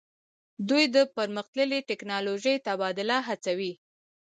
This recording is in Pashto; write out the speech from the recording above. دوی د پرمختللې ټیکنالوژۍ تبادله هڅوي